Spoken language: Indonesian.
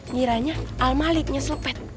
kiranya al maliknya selepet